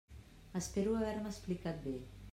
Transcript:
Espero haver-me explicat bé.